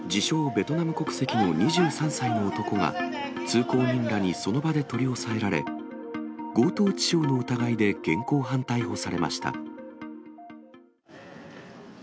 ベトナム国籍の２３歳の男が、通行人らにその場で取り押さえられ、強盗致傷の疑いで現行犯逮捕されました。